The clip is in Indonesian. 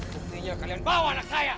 tuk dirinya kalian bawa anak saya